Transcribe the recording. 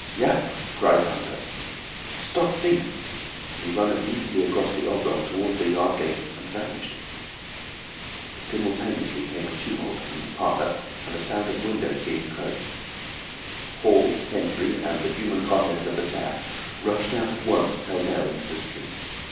"Yap!" cried Huxter. "Stop thief!" and he ran obliquely across the oblong towards the yard gates, and vanished. Simultaneously came a tumult from the parlour, and a sound of windows being closed. Hall, Henfrey, and the human contents of the tap rushed out at once pell mell into the street.